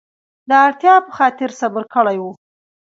د اړتیا په خاطر صبر کړی و.